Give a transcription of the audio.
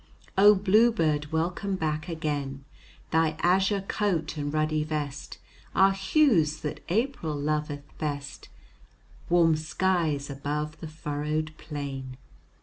O bluebird, welcome back again, Thy azure coat and ruddy vest Are hues that April loveth best, Warm skies above the furrowed plain.